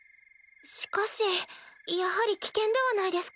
しかしやはり危険ではないですか？